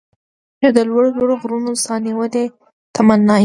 يا د لوړو لوړو غرونو، ساه نيولې تمنا يم